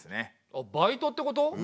あっバイトってこと？